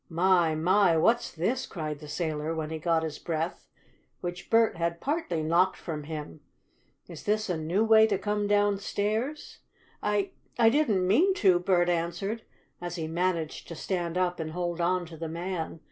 "My! My! What's this?" cried the sailor, when he got his breath, which Bert had partly knocked from him. "Is this a new way to come downstairs?" "I I didn't mean to," Bert answered, as he managed to stand up and hold on to the man.